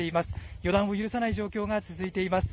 予断を許さない状況が続いています。